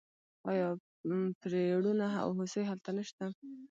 آیا پریړونه او هوسۍ هلته نشته؟